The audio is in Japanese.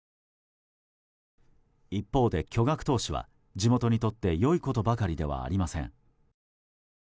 一方で巨額投資は地元にとって良いことばかりではありません。